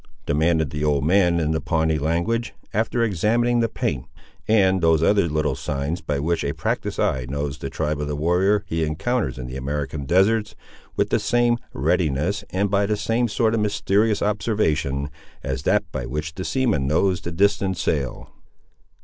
demanded the old man, in the Pawnee language, after examining the paint, and those other little signs by which a practised eye knows the tribe of the warrior he encounters in the American deserts, with the same readiness, and by the same sort of mysterious observation, as that by which the seaman knows the distant sail.